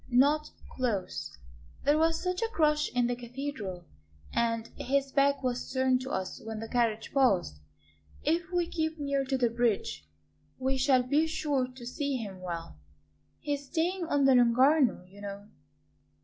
"Not close. There was such a crush in the Cathedral, and his back was turned to us when the carriage passed. If we keep near to the bridge we shall be sure to see him well he is staying on the Lung'Arno, you know."